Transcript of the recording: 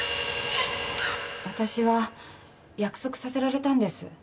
私は約束させられたんです。